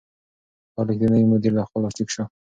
دا لیک د نوي مدیر لخوا لاسلیک شو.